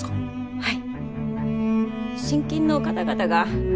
はい。